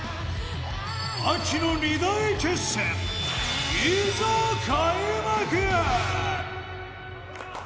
秋の二大決戦、いざ開幕。